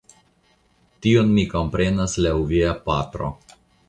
Tion mi komprenas laŭ via patro.